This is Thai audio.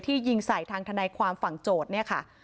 ที่ยิงใส่ทางทะไนความฝังโจทธ์